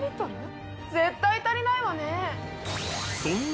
絶対足りないわね。